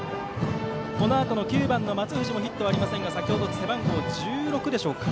このあとの９番の松藤もヒットはまだありませんが先程、背番号１６でしょうか。